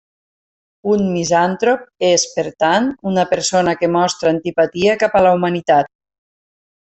Un misantrop és, per tant, una persona que mostra antipatia cap a la humanitat.